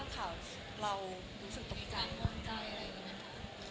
ส่วนเขาสร้างข่าวเรารู้สึกตกใจตกใจอะไรอย่างนี้นะครับ